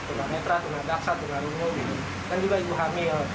tunang netra tunang jaksa tunang ungu dan juga ibu hamil